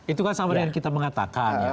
itu kan sama dengan kita mengatakan ya